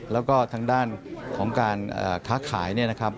และทางด้านของการค้าขาย